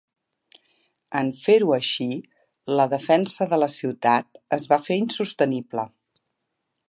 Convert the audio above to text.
En fer-ho així, la defensa de la ciutat es va fer insostenible.